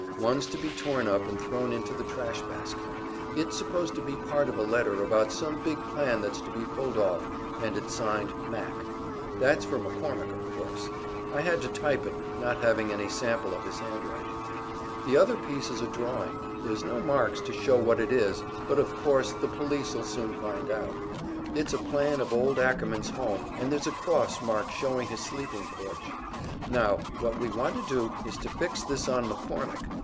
One's to be torn up and thrown into the trash basket. It's supposed to be part of a letter about some big plan that's to be pulled off, and it's signed `Mac.' That's for McCormick, of course. I had to type it, not having any sample of his handwriting. The other piece is a drawing; there's no marks to show what it is, but of course the police'll soon find out. It's a plan of old Ackerman's home, and there's a cross mark showing his sleeping porch. Now, what we want to do is to fix this on McCormick.